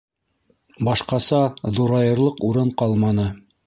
Башҡаса ҙурайырлыҡ урын ҡалманы.